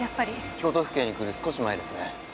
京都府警に来る少し前ですね。